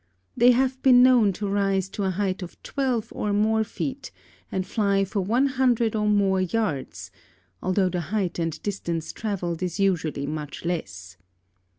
They have been known to rise to a height of twelve or more feet and fly for one hundred or more yards, although the height and distance traveled is usually much less.